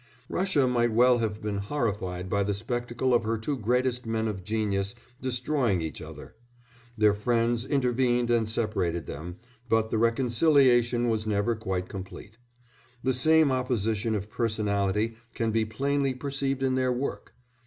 Russia might well have been horrified by the spectacle of her two greatest men of genius destroying each other; their friends intervened and separated them, but the reconciliation was never quite complete. The same opposition of personality can be plainly perceived in their work.